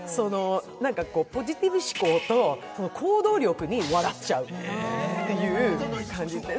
なんかポジティブ思考と行動力に笑っちゃうという感じ。